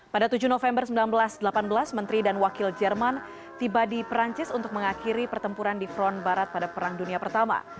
pada tujuh november seribu sembilan ratus delapan belas menteri dan wakil jerman tiba di perancis untuk mengakhiri pertempuran di front barat pada perang dunia pertama